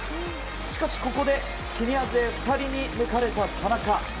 しかし、ここでケニア勢２人に抜かれた田中。